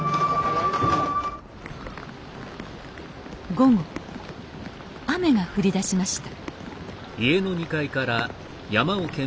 午後雨が降りだしました